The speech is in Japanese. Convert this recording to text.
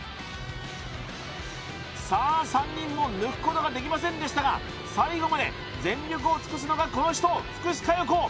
３人を抜くことができませんでしたが最後まで全力を尽くすのがこの人福士加代子